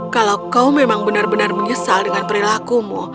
kalau kau memang benar benar menyesal dengan perilakumu